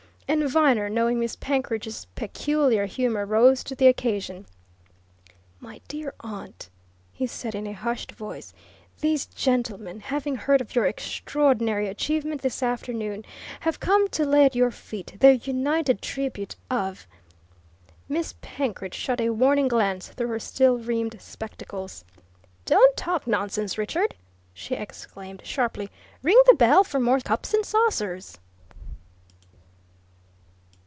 And Viner, knowing Miss Penkridge's peculiar humour, rose to the occasion. "My dear aunt," he said in a hushed voice, "these gentlemen, having heard of your extraordinary achievement this afternoon, have come to lay at your feet their united tribute of " Miss Penkridge shot a warning glance through her steel rimmed spectacles. "Don't talk nonsense, Richard!" she exclaimed sharply. "Ring the bell for more cups and saucers!"